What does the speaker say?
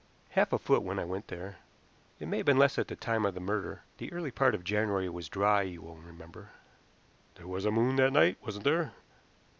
"Half a foot when I went there. It may have been less at the time of the murder. The early part of January was dry, you will remember." "There was a moon that night, wasn't there?"